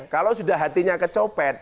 kalau sudah hatinya kecopet